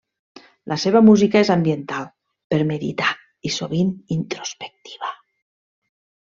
La seva música és ambiental, per meditar i sovint introspectiva.